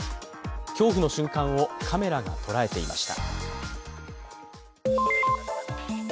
恐怖の瞬間をカメラが捉えていました。